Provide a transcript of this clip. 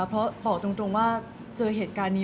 เพราะบอกตรงว่าเจอเหตุการณ์นี้